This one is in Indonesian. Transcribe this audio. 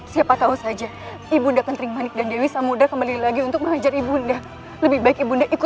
sampai jumpa di video selanjutnya